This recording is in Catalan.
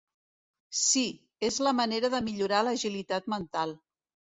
Sí, és la manera de millorar l'agilitat mental.